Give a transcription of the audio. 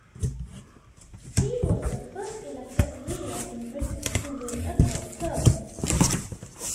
He was the first elected mayor in Britain to win a third term.